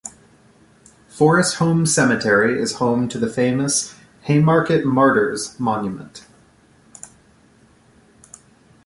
Forest Home Cemetery is home to the famous "Haymarket Martyrs' Monument".